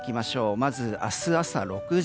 まず明日朝６時。